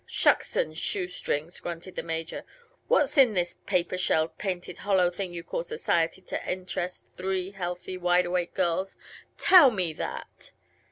"Shucks an' shoestrings!" grunted the Major. "What's in this paper shelled, painted, hollow thing ye call 'society' to interest three healthy, wide awake girls? Tell me that!"